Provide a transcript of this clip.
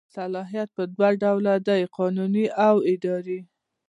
صلاحیت په دوه ډوله دی قانوني او اداري.